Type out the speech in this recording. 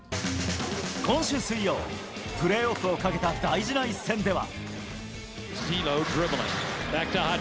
今週水曜、プレーオフをかけた大事な一戦では。